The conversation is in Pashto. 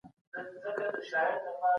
هغه مهال خلګو د کلي لارې جوړولي.